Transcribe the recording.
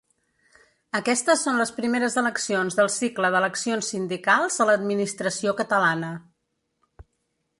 Aquestes són les primeres eleccions del cicle d’eleccions sindicals a l’administració catalana.